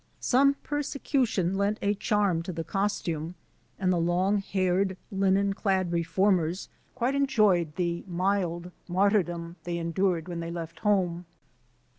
Some persecution lent a charm to the costume, and the long haired, linen clad reformers quite enjoyed the mild mar tyrdom they endured when they left home.